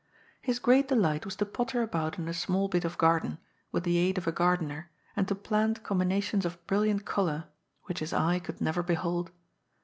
His great de light was to potter about in a small bit of gardiBu, with the aid of a gardener, and to plant combinations of brilliant colour, which his eye could never behold.